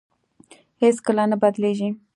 هېڅ کله نه بدلېږي.